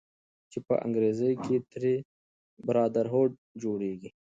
چې په انګريزۍ کښې ترې Brotherhood جوړيږي